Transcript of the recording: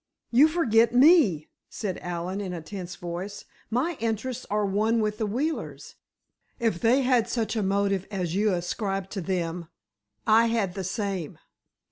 "You forget me," said Allen, in a tense voice. "My interests are one with the Wheelers. If they had such a motive as you ascribe to them—I had the same."